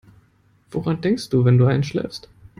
Woran denkst du, wenn du einschläfst?